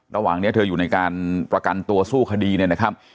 ระหว่างนี้เธออยู่ในการประกันตัวสู้คดีเนี่ยนะครับ